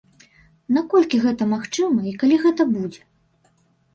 Наколькі гэта магчыма і калі гэта будзе?